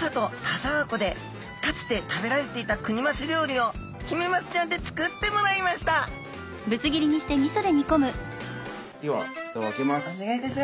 田沢湖でかつて食べられていたクニマス料理をヒメマスちゃんで作ってもらいましたではふたを開けます。